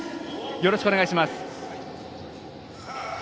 よろしくお願いします。